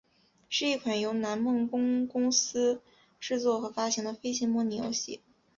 是一款由南梦宫公司制作和发行的飞行模拟游戏。